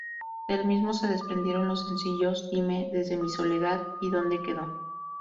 Del mismo, se desprendieron los sencillos ""Dime"", ""Desde Mi Soledad"" y ""¿Dónde Quedó?"".